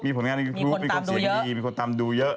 มีผลงานไครูมีคนตามดูเยอะ